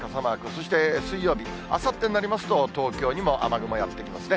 そして水曜日、あさってになりますと、東京にも雨雲やって来ますね。